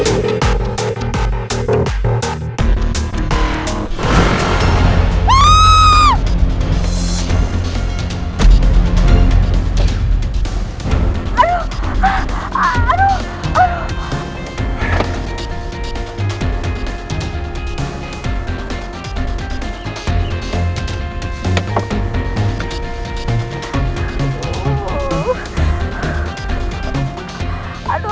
aduh aduh aduh